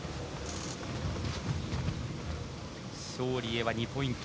勝利へは２ポイント